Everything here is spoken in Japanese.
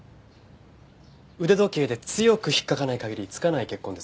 腕時計で強く引っ掻かない限り付かない血痕です。